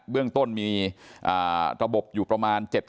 เรื่องต้นมีระบบอยู่ประมาณ๗๐